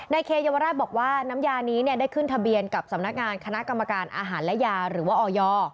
เคเยาวราชบอกว่าน้ำยานี้ได้ขึ้นทะเบียนกับสำนักงานคณะกรรมการอาหารและยาหรือว่าออย